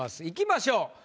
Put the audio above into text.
いきましょう。